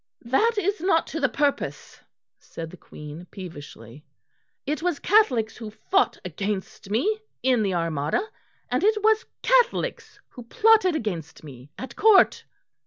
"That is not to the purpose," said the Queen peevishly. "It was Catholics who fought against me in the Armada, and it was Catholics who plotted against me at Court."